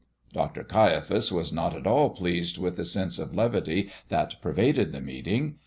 Dr. Caiaphas was not at all pleased with the sense of levity that pervaded the meeting.